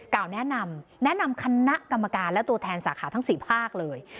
แนะนำแนะนำคณะกรรมการและตัวแทนสาขาทั้ง๔ภาคเลย